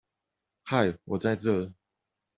嗨我在這